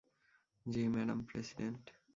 জ্বি, madam president.